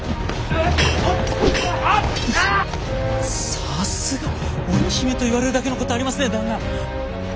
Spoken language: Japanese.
さすが鬼姫と言われるだけのことありますね旦那！